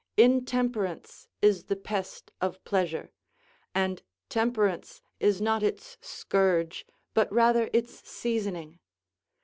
Intemperance is the pest of pleasure; and temperance is not its scourge, but rather its seasoning.